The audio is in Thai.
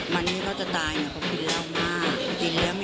วันนี้ก็จะตายเนี่ยเขากินเล่ามาก